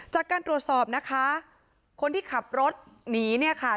จากการตรวจสอบนะคะคนที่ขับรถหนีเนี่ยค่ะ